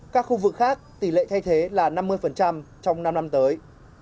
các khu vực khác tỷ lệ thay thế là năm mươi trong năm năm tới